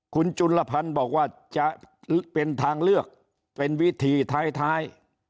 คุณจุลพันธ์บอกว่าจะเป็นทางเลือกเป็นวิธีท้าย